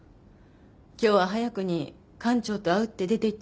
今日は早くに館長と会うって出ていったのよ。